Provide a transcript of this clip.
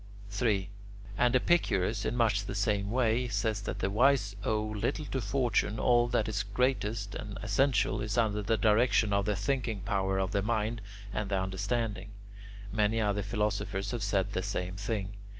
3. And Epicurus, in much the same way, says that the wise owe little to fortune; all that is greatest and essential is under the direction of the thinking power of the mind and the understanding. Many other philosophers have said the same thing.